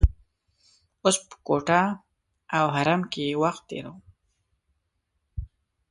اوس په کوټه او حرم کې وخت تیروو.